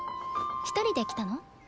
一人で来たの？